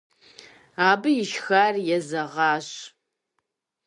Абы ишхар езэгъащ.